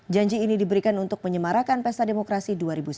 janji ini diberikan untuk menyemarakan pesta demokrasi dua ribu sembilan belas